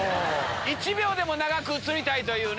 一秒でも長く映りたいという。